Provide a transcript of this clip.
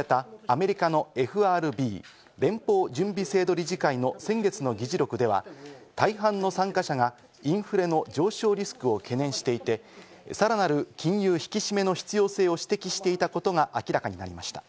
１６日に公表されたアメリカのＦＲＢ＝連邦準備制度理事会の先月の議事録では、大半の参加者がインフレの上昇リスクを懸念していて、さらなる金融引き締めの必要性を指摘していたことが明らかになりました。